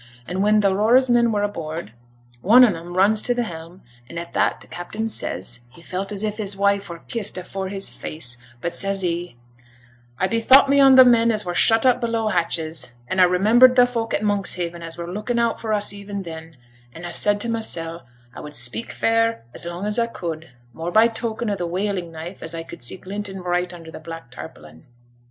And when t' Aurora's men were aboard, one on 'em runs to t' helm; and at that t' captain says, he felt as if his wife were kissed afore his face; but says he, "I bethought me on t' men as were shut up below hatches, an' I remembered t' folk at Monkshaven as were looking out for us even then; an' I said to mysel', I would speak fair as long as I could, more by token o' the whaling knife, as I could see glinting bright under t' black tarpaulin."